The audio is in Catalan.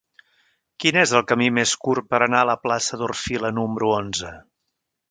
Quin és el camí més curt per anar a la plaça d'Orfila número onze?